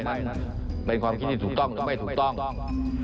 ไม่นะเป็นความคิดที่ถูกต้องหรือไม่ถูกต้อง